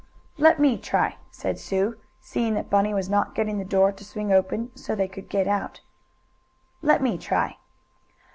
"Let me try," said Sue, seeing that Bunny was not getting the door to swing open so they could get out. "Let me try."